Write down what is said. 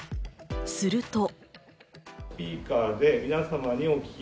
すると。